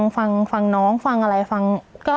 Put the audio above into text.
ฟังน้องฟังอะไรฟัง